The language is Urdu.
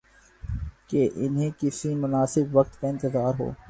کہ انہیں کسی مناسب وقت کا انتظار ہو۔